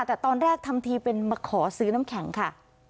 แต่ตอนแรกทำทีเป็นมาขอซื้อน้ำแข็งค่ะ